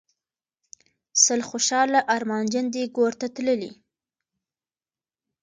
سل خوشحاله ارمانجن دي ګورته تللي